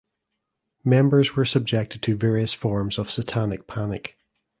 Members were subjected to various forms of Satanic panic.